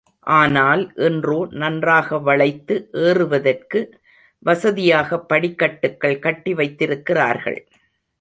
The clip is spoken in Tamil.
ஆனால் இன்றோ நன்றாக வளைத்து ஏறுவதற்கு வசதியாக படிக்கட்டுகள் கட்டி வைத்திருக்கிறார்கள்.